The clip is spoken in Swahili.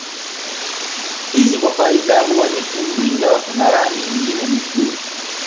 Hizi kwa kawaida huwa nyekundu ingawa kuna rangi nyingine ni blue